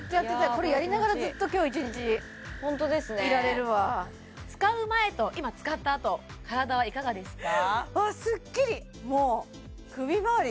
これやりながらずっと今日一日ホントですねいられるわ使う前と今使ったあと体はいかがですか？